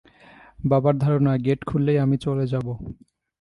বাবার ধারণা, গেট খুললেই আমি চলে যাব।